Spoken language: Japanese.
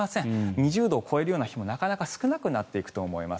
２０度を超える日もなかなか少なくなってくると思います。